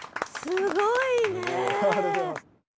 すごいねえ。